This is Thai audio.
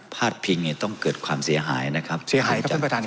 พลาดพิงเนี่ยต้องเกิดความเสียหายนะครับเสียหายครับท่านประทานครับ